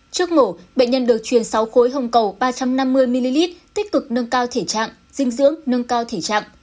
trước mổ bệnh nhân được truyền sáu khối hồng cầu ba trăm năm mươi ml tích cực nâng cao thể trạng dinh dưỡng nâng cao thể trạng